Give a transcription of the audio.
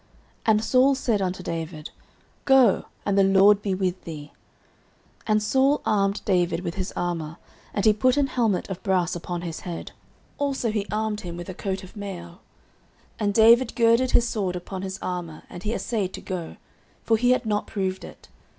And Saul said unto David, Go, and the LORD be with thee. 09:017:038 And Saul armed David with his armour, and he put an helmet of brass upon his head; also he armed him with a coat of mail. 09:017:039 And David girded his sword upon his armour, and he assayed to go; for he had not proved it.